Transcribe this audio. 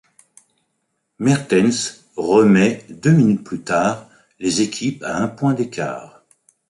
Merthens remet, deux minutes plus tard, les équipes à un point d'écart.